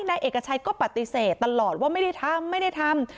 นายเอกชัยก็ปฏิเสธตลอดว่าไม่ได้ทำไม่ได้ทำ